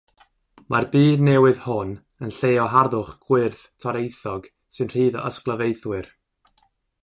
Mae'r byd newydd hwn yn lle o harddwch gwyrdd toreithiog sy'n rhydd o ysglyfaethwyr.